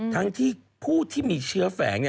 ทั้งที่ผู้ที่มีเชื้อแฝง